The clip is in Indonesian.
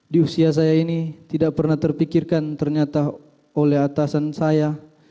di usia saya ini tidak pernah terpikirkan ternyata oleh atasan saya